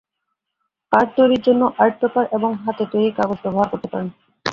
Card তৈরির জন্য art paper এবং হাতে তৈরি কাগজ ব্যবহার করতে পারেন।